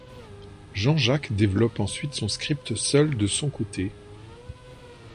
Jean-Jacques développe ensuite son script seul de son côté.